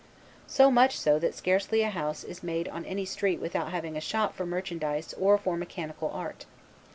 So much so that scarcely a house is made on any street without having a shop for merchandise or for mechanical art.